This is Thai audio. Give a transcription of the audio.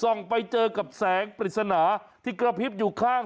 ไปเจอกับแสงปริศนาที่กระพริบอยู่ข้าง